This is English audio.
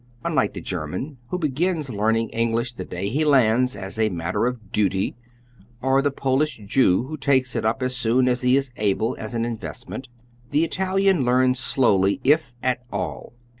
Unlike the German, who begins learning English the day he lands as a matter of duty, or the Polish Jew, who takes it up as soon as he is able as an investment, the Italian learns slowly, if at all.